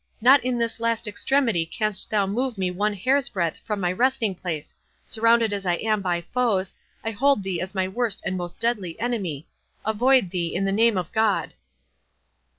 —Not in this last extremity canst thou move me one hair's breadth from my resting place—surrounded as I am by foes, I hold thee as my worst and most deadly enemy—avoid thee, in the name of God!"